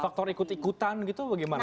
faktor ikut ikutan gitu bagaimana